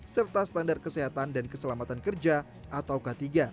serta standar kesehatan dan keselamatan kerja atau k tiga